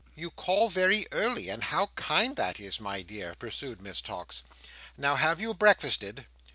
"You call very early, and how kind that is, my dear!" pursued Miss Tox. "Now, have you breakfasted?"